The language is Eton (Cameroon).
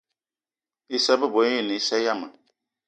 Issa bebo gne ane assa ayi ma.